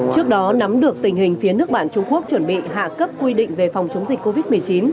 trước đó nắm được tình hình phía nước bạn trung quốc chuẩn bị hạ cấp quy định về phòng chống dịch covid một mươi chín